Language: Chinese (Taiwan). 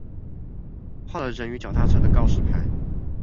畫了人與腳踏車的告示牌